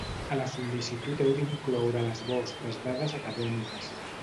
A la sol·licitud heu d'incloure les vostres dades acadèmiques.